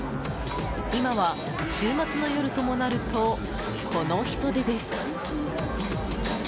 今は週末の夜ともなるとこの人出です。